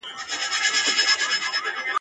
انګرېزانو چي تېښته وکړه، مات سول.